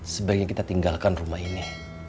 sebaiknya kita tinggalkan rumah ini